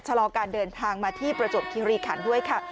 เสี่ยงเฉลาการเดินทางมาที่ประจบคิริคันด้วยค่ะ